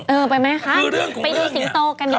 เออไปไหมคะไปดูสิงโตกันดี